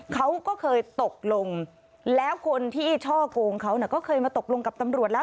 เขาก็เคยตกลงแล้วคนที่ช่อกงเขาก็เคยมาตกลงกับตำรวจแล้ว